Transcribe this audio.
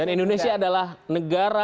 dan indonesia adalah negara